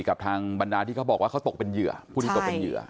กับทางบรรดาที่เขาบอกว่าเขาตกเป็นเหยื่อผู้ที่ตกเป็นเหยื่อ